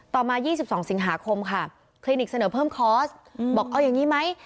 ต่อมา๒๒สิงหาคมค่ะคลินิกเสนอเพิ่มคอร์สบอกเอาอย่างนี้ไหม